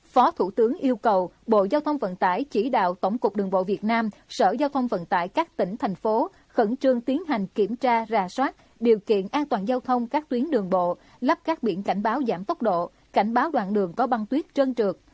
phó thủ tướng yêu cầu bộ giao thông vận tải chỉ đạo tổng cục đường bộ việt nam sở giao thông vận tải các tỉnh thành phố khẩn trương tiến hành kiểm tra rà soát điều kiện an toàn giao thông các tuyến đường bộ lắp các biển cảnh báo giảm tốc độ cảnh báo đoạn đường có băng tuyết trơn trượt